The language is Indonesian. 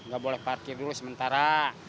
gak boleh parkir dulu sementara